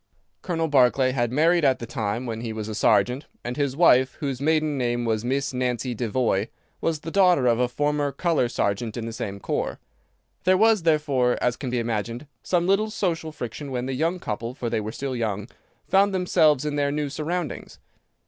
"Colonel Barclay had married at the time when he was a sergeant, and his wife, whose maiden name was Miss Nancy Devoy, was the daughter of a former colour sergeant in the same corps. There was, therefore, as can be imagined, some little social friction when the young couple (for they were still young) found themselves in their new surroundings.